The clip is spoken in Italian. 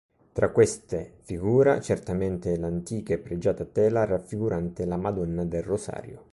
Tra queste figura certamente l'antica e pregiata tela raffigurante la Madonna del Rosario.